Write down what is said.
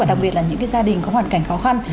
đặc biệt là những gia đình có hoàn cảnh khó khăn